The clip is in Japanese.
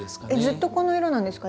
ずっとこの色なんですか？